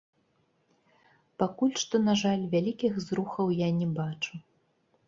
Пакуль што, на жаль, вялікіх зрухаў я не бачу.